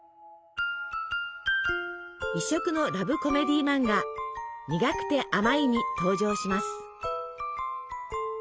異色のラブコメディーマンガ「にがくてあまい」に登場します。